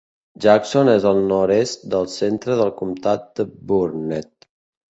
Jackson és al nord-est del centre del comtat de Burnett.